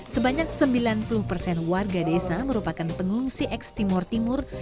sebanyak sembilan puluh persen warga desa merupakan pengungsi eks timur timur